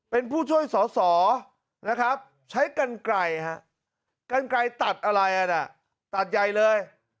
เป็นผู้ช่วยสอนะครับใช้กันไก่ค่ะกันไก่ตัดอะไรอันนี้ตัดใยเลย